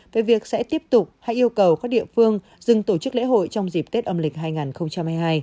về việc sẽ tiếp tục hãy yêu cầu các địa phương dừng tổ chức lễ hội trong dịp tết âm lịch hai nghìn hai mươi hai